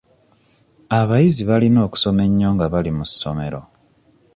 Abayizi balina okusoma ennyo nga bali mu ssomero.